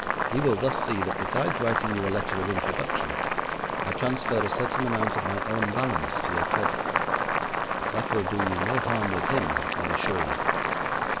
He will thus see that besides writing you a letter of introduction, I transfer a certain amount of my own balance to your credit. That will do you no harm with him, I assure you.